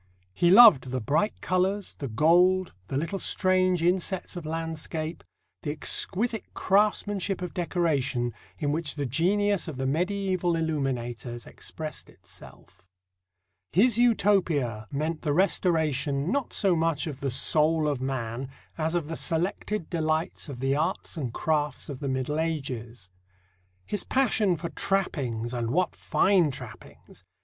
He loved the bright colours, the gold, the little strange insets of landscape, the exquisite craftsmanship of decoration, in which the genius of the medieval illuminators expressed itself. His Utopia meant the restoration, not so much of the soul of man, as of the selected delights of the arts and crafts of the Middle Ages. His passion for trappings and what fine trappings!